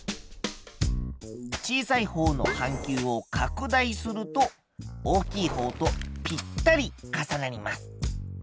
小さいほうの半球を拡大すると大きいほうとぴったり重なります。